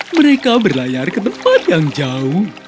mereka berlayar ke tempat yang jauh